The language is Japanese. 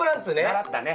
習ったね。